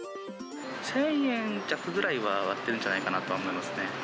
１０００円弱ぐらいは上がってるんじゃないかなとは思いますね。